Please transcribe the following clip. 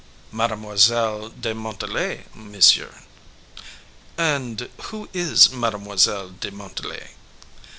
"Mademoiselle de Montalais, monsieur." "And who is Mademoiselle de Montalais?"